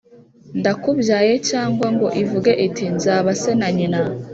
ndakubyaye Cyangwa ngo ivuge iti Nzaba Se Na nyina